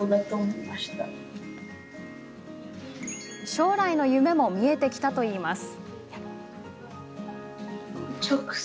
将来の夢も見えてきたといいます。